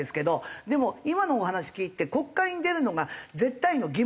でも今のお話聞いて国会に出るのが絶対の義務なんですよね。